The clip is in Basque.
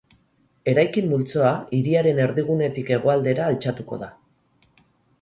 Eraikin multzoa hiriaren erdigunetik hegoaldera altxatuko da.